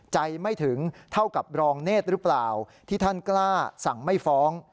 ไม่ถึงเท่ากับรองเนธหรือเปล่าที่ท่านกล้าสั่งไม่ฟ้อง